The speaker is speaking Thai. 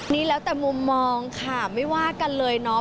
นี่แล้วแต่มุมมองค่ะไม่ว่ากันเลยเนาะ